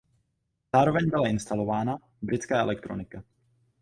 Zároveň byla instalována britská elektronika.